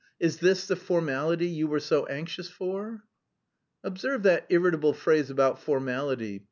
Is this the formality you were so anxious for?" "Observe that irritable phrase about formality.